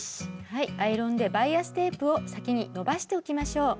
はいアイロンでバイアステープを先に伸ばしておきましょう。